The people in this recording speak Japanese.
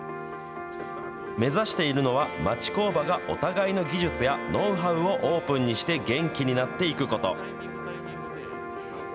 目指しているのは町工場がお互いの技術やノウハウをオープンにして元気になっていくこと。